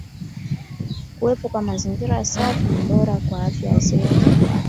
Kuwepo kwa mazingira safi ni bora kwa afya zetu.